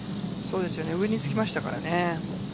上につきましたからね。